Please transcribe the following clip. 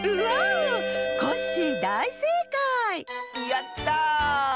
やった！